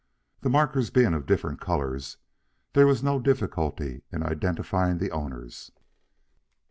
The markers being of different colors, there was no difficulty in identifying the owners.